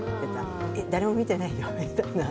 えっ、誰も見てないの？みたいな。